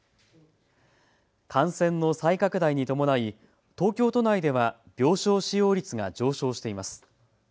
感染の再拡大に伴い東京都内では病床使用率が上昇しています。